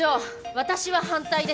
私は反対です。